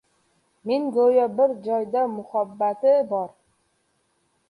Men go‘yo bir jon, muhabbati bor